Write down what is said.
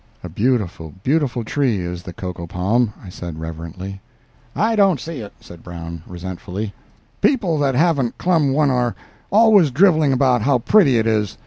"A beautiful, beautiful tree is the cocoa palm!" I said, fervently. "I don't see it," said Brown, resentfully. "People that haven't clumb one are always driveling about how pretty it is.